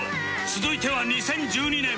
続いては２０１２年